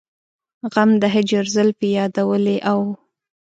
غم د هجر زلفې يادولې او